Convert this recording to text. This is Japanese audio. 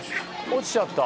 落ちちゃった？